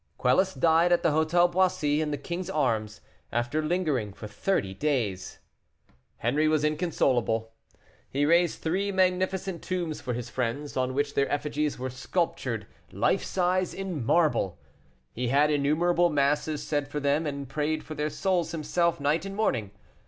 Quelus died at the Hôtel Boissy, in the king's arms, after lingering for thirty days. Henri was inconsolable. He raised three magnificent tombs for his friends, on which their effigies were sculptured, life size, in marble. He had innumerable masses said for them, and prayed for their souls himself night and morning.